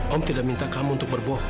om tidak minta kamu untuk berbohong